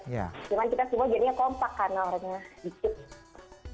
tapi kita semua jadinya kompak karena orangnya di sip